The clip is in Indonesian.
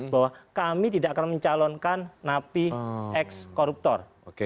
bahwa kami tidak akan mencalonkan napi ex koruptor